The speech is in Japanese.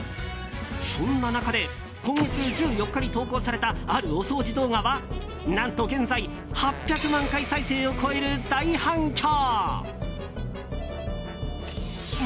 そんな中で今月１４日に投稿されたあるお掃除動画は何と現在８００万回再生を超える大反響。